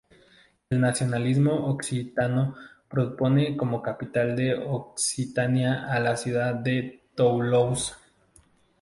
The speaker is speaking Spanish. El nacionalismo occitano propone como capital de Occitania a la ciudad de Toulouse.